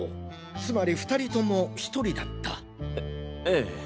つまり２人共「１人」だった？えええ。